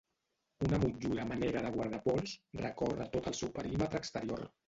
Una motllura a manera de guardapols recorre tot el seu perímetre exterior.